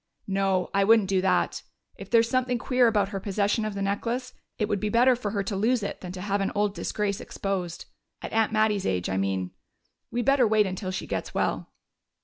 "No, I wouldn't do that. If there is something queer about her possession of the necklace, it would be better for her to lose it than to have an old disgrace exposed. At Aunt Mattie's age, I mean. We better wait until she gets well."